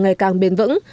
ngày càng bền vững